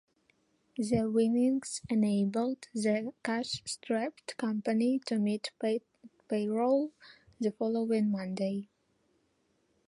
The winnings enabled the cash-strapped company to meet payroll the following Monday.